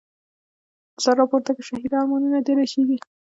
سر راپورته کړه شهیده، ارمانونه دي رژیږی